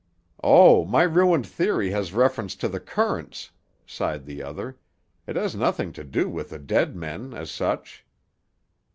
"Oh, my ruined theory has reference to the currents," sighed the other. "It has nothing to do with dead men, as such."